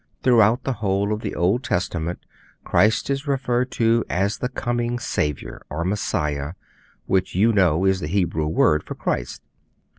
Throughout the whole of the Old Testament Christ is referred to as the coming Saviour, or Messiah, which you know, is the Hebrew word for Christ.